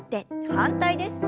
反対です。